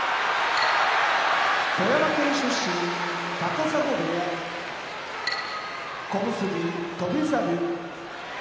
富山県出身高砂部屋小結・翔猿